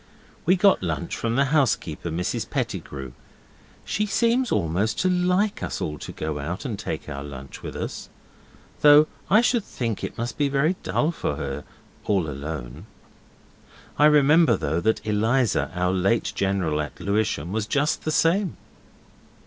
We got lunch from the housekeeper, Mrs Pettigrew. She seems almost to LIKE us all to go out and take our lunch with us. Though I should think it must be very dull for her all alone. I remember, though, that Eliza, our late general at Lewisham, was just the same.